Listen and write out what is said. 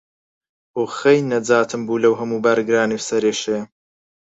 ئۆخەی، نەجاتم بوو لەو هەموو بارگرانی و سەرێشەیە.